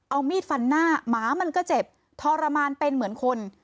เอามีดฟันหน้าหมามันก็เจ็บทรมานเป็นเหมือนคน